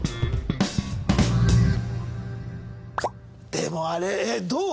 でもあれどう？